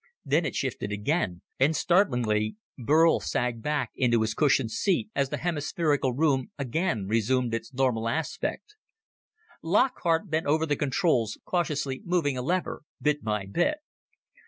Then it shifted again, and, startlingly, Burl sagged back into his cushioned seat as the hemispherical room again resumed its normal aspect. Lockhart bent over the controls, cautiously moving a lever bit by bit.